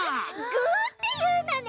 ぐーっていうのね！